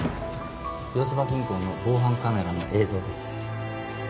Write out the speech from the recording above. よつば銀行の防犯カメラの映像です。